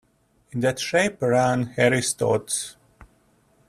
In that shape ran Harry's thoughts.